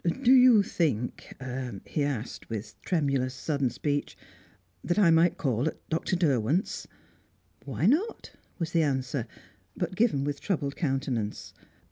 "Do you think," he asked, with tremulous, sudden speech, "that I might call at Dr. Derwent's?" "Why not?" was the answer, but given with troubled countenance.